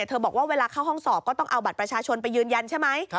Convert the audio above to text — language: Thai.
บอกว่าเวลาเข้าห้องสอบก็ต้องเอาบัตรประชาชนไปยืนยันใช่ไหม